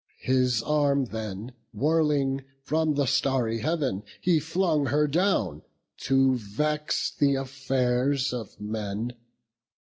His arm then whirling, from the starry Heav'n He flung her down, to vex th' affairs of men.